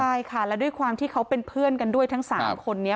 ใช่ค่ะแล้วด้วยความที่เขาเป็นเพื่อนกันด้วยทั้ง๓คนนี้